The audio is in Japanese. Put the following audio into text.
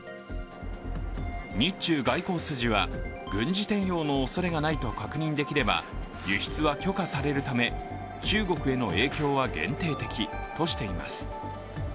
日中外交筋は軍事転用のおそれがないと確認できれば輸出は許可されるため、中国への影響は限定的としています。